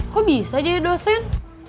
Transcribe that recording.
kok bisa jadi dosen